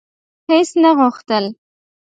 هیڅ نه غوښتل: